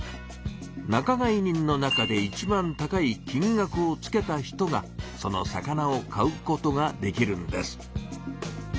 仲買人の中でいちばん高い金額をつけた人がその魚を買うことができるんです。